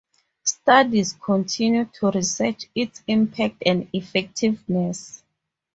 Studies continue to research its impact and effectiveness.